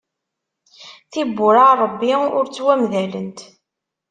Tibbura n Ṛebbi ur ttwamdalent.